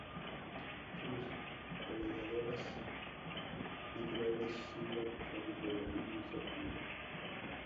Sus predadores naturales son gatos, aves de rapiña y serpientes.